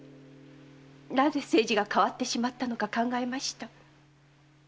なぜ清次が変わってしまったのか考えました。